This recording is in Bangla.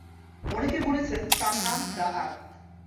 অনেকে বলেছেন তার নাম দা'আদ।